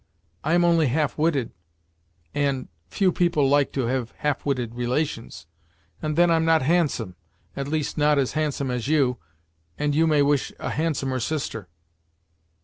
I am only half witted, and few people like to have half witted relations; and then I'm not handsome at least, not as handsome as you and you may wish a handsomer sister."